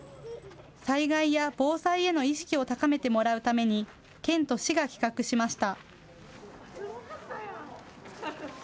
災害や防災への意識を高めてもらうために県と市が企画しました。